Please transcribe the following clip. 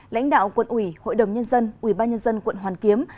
lãnh đạo quận ủy hội đồng nhân dân ubnd quận hoàn kiếm